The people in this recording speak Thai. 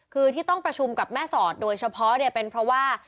คือที่ต้องประชุมกับแม่สอดโดยเฉพาะเนี่ยเป็นเพราะว่า